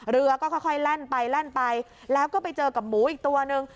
เรือก็ค่อยแล่นไปแล่นไปแล้วก็ไปเจอกับหมูอีกตัวนึง